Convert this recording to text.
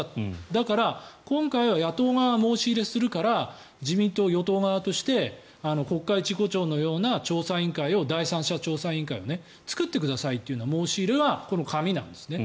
だから、今回は野党側が申し入れをするから自民党与党側として国会事故調のような第三者調査委員会を作ってくださいという申し入れはこの紙なんですね。